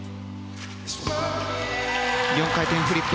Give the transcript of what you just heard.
４回転フリップ。